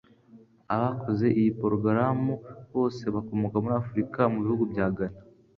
Abakoze iyi porogaramu bose bakomoka muri Afurika mu bihugu bya Ghana